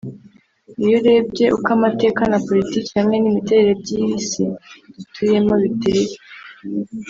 Iyo urebye uko Amateka na Politiki hamwe n’imiterere by’iyi si dutuyemo biteye